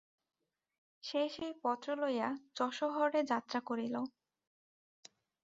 সে সেই পত্র লইয়া যশোহরে যাত্রা করিল।